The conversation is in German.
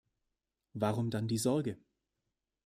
Warum dann die Sorge?